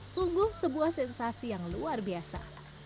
sungguh sebuah sensasi yang luar biasa